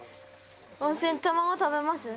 温泉卵食べます？